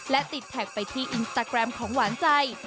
และติดแท็กไปที่อินสตาแกรมของหวานใจ